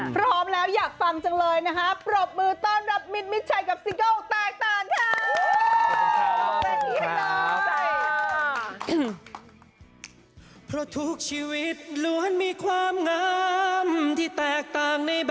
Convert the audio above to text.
พร้อมแล้วอยากฟังจังเลยนะครับ